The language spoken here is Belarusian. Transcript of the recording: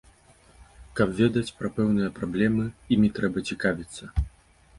Каб ведаць пра пэўныя праблемы, імі трэба цікавіцца.